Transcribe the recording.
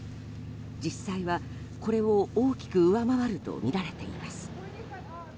実際は、これを大きく上回るとみられています。